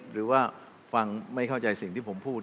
หรือว่าฟังไม่เข้าใจสิ่งที่ผมพูด